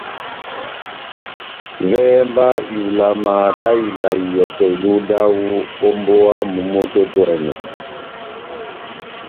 Vɛhɛ mba ihulama dá ivala ihɔtɔ iluhu dáwu ó mbówa momó tɛ́h otwɛ́nɛ́.